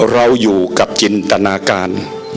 เราอยู่กับจินตนาการ